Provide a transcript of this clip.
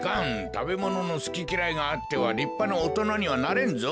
たべもののすききらいがあってはりっぱなおとなにはなれんぞ。